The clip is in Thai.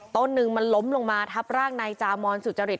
ต้นหนึ่งมันล้มลงมาทับร่างนายจามอนสุจริต